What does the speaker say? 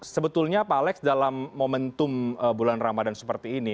sebetulnya pak alex dalam momentum bulan ramadan seperti ini